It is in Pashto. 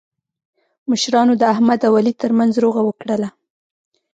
مشرانو د احمد او علي ترمنځ روغه وکړله.